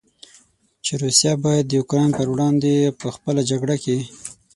چې روسیه باید د اوکراین پر وړاندې په خپله جګړه کې.